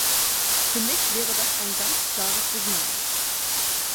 Für mich wäre das ein ganz klares Signal.